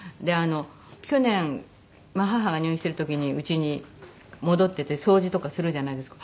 去年母が入院してる時に家に戻ってて掃除とかするじゃないですか。